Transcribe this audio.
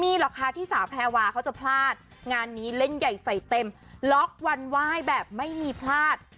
หรอกค่ะที่สาวแพรวาเขาจะพลาดงานนี้เล่นใหญ่ใส่เต็มล็อกวันไหว้แบบไม่มีพลาด